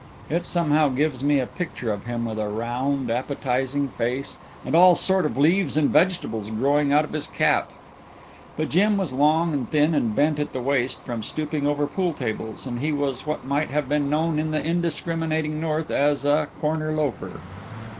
It somehow gives me a picture of him with a round, appetizing face and all sort of leaves and vegetables growing out of his cap. But Jim was long and thin and bent at the waist from stooping over pool tables, and he was what might have been known in the indiscriminating North as a corner loafer.